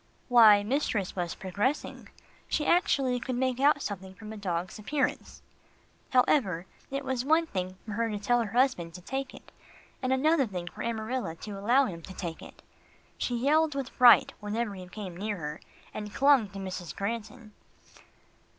Why, mistress was progressing. She actually could make out something from a dog's appearance. However, it was one thing for her to tell her husband to take it, and another thing for Amarilla to allow him to take it. She yelled with fright, whenever he came near her, and clung to Mrs. Granton.